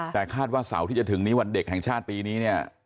แต่คาดว่าเสาร์ที่จะถึงนี้วันเด็กแห่งชาติปีนี้เนี่ย